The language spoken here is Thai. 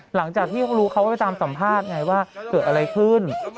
หลังจากที่เขารู้เขาก็ไปตามสัมภาษณ์ไงว่าเกิดอะไรขึ้น